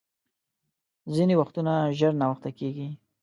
ځیني وختونه ژر ناوخته کېږي .